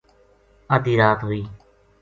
ادھی رات ہوئی